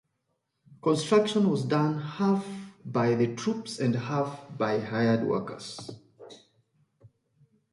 Construction was done half by the troops and half by hired workers.